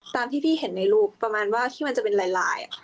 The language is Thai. ตามที่พี่เห็นในรูปประมาณว่าที่มันจะเป็นลายค่ะ